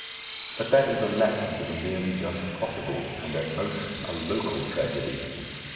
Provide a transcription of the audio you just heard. But that is a lapse into the merely just possible, and at most a local tragedy.